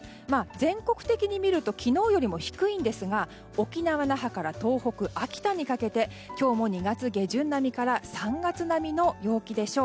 全国的に見ると昨日より低いんですが沖縄・那覇から東北の秋田にかけて今日も２月下旬並みから３月並みの陽気でしょう。